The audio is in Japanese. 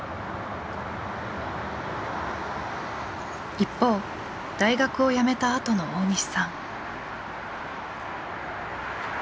一方大学を辞めたあとの大西さん。